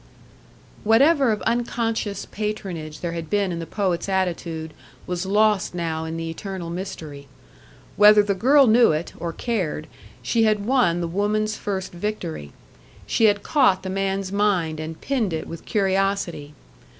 Whatever of unconscious patronage there had been in the poet's attitude was lost now in the eternal mystery. Whether the girl knew it or cared she had won the woman's first victory. She had caught the man's mind and pinned it with curiosity.